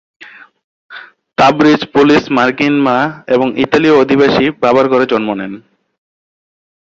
Tabriz পোলিশ-মার্কিন মা এবং ইতালীয়-অভিবাসী বাবার ঘরে জন্ম নেন।